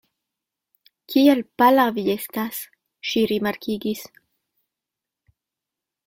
Kiel pala vi estas, ŝi rimarkigis.